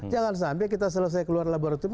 jangan sampai kita selesai keluar laboratorium